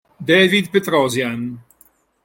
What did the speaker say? David Petrosyan